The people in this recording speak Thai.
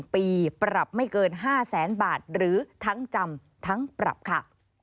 ปีปรับไม่เกิน๕แสนบาทหรือทั้งจำทั้งปรับค่ะ